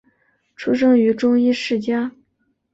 出生于中医世家。